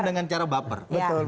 dengan cara baper